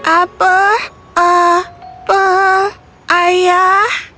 apel apel ayah